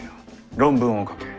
論文を書け。